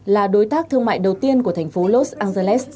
là đối tác thương mại đầu tiên của thành phố los angeles